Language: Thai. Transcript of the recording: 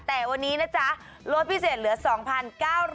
แต่วันนี้นะจ๊ะลดพิเศษเหลือ๒๙๐๐บาท